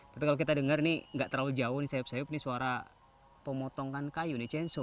tapi kalau kita dengar ini tidak terlalu jauh sayup sayup ini suara pemotongan kayu cienso